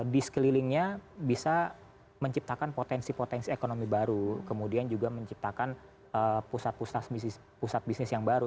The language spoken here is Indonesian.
di sekelilingnya bisa menciptakan potensi potensi ekonomi baru kemudian juga menciptakan pusat pusat bisnis yang baru